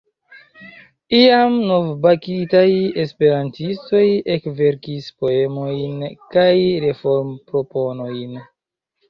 Iam novbakitaj esperantistoj ekverkis poemojn kaj reformproponojn.